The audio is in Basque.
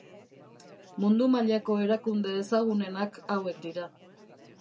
Mundu-mailako erakunde ezagunenak hauek dira.